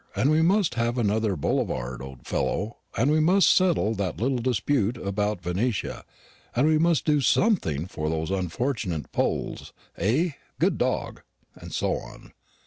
And we must have another Boulevard, old fellow; and we must settle that little dispute about Venetia; and we must do something for those unfortunate Poles, eh good dog?" and so on.